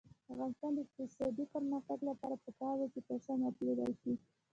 د افغانستان د اقتصادي پرمختګ لپاره پکار ده چې پشم وپلورل شي.